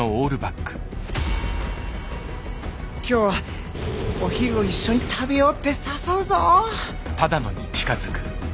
今日はお昼を一緒に食べようって誘うぞ。